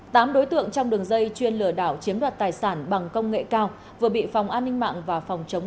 tám đối tượng trong đường dây chuyên lừa đảo chiếm đoạt tài sản bằng công nghệ cao vừa bị phòng an ninh mạng và phòng chống